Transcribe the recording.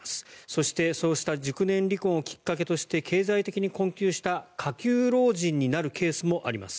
そして、そうした熟年離婚をきっかけとして経済的に困窮した下級老人になるケースもあります。